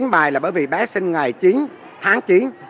chín mươi chín bài là bởi vì bé sinh ngày chín tháng chín